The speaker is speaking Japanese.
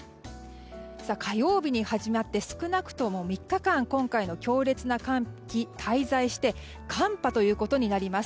火曜日に始まって少なくとも３日間今回の強烈な寒気、滞在して寒波ということになります。